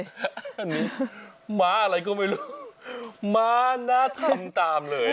อันนี้ม้าอะไรก็ไม่รู้ม้านะทำตามเลย